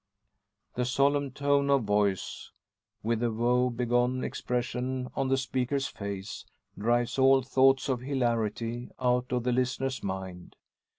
The solemn tone of voice, with the woe begone expression on the speaker's face, drives all thoughts of hilarity out of the listener's mind.